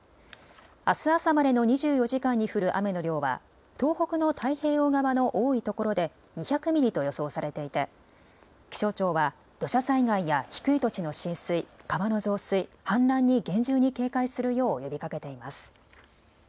あす朝までの２４時間に降る雨の量は東北の太平洋側の多いところで２００ミリと予想されていて気象庁は土砂災害や低い土地の浸水、川の増水、氾濫に厳重に警戒するよう呼びかけています。